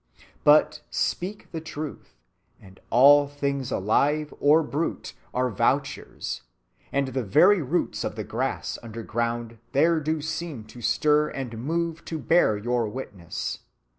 But speak the truth, and all things alive or brute are vouchers, and the very roots of the grass underground there do seem to stir and move to bear your witness.